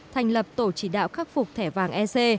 thành lập tổ chỉ đạo khắc phục thẻ vàng ec